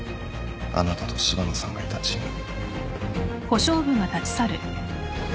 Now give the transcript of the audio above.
あなたと柴野さんがいたチーム。